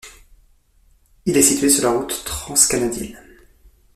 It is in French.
Il est situé sur la route Transcanadienne.